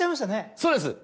そうです。